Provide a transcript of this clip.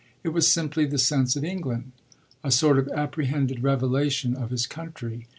It was simply the sense of England a sort of apprehended revelation of his country.